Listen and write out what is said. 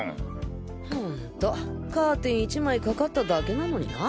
ホントカーテン１枚かかっただけなのにな。